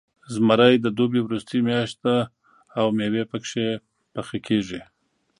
زمری د دوبي وروستۍ میاشت ده، او میوې پکې پاخه کېږي.